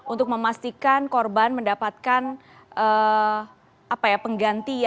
untuk memastikan korban mendapatkan